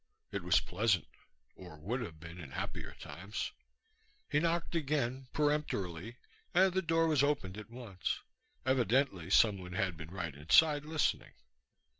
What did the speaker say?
It was pleasant, or would have been in happier times. He knocked again, peremptorily, and the door was opened at once. Evidently someone had been right inside, listening.